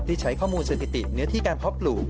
ใช้ข้อมูลสถิติเนื้อที่การเพาะปลูก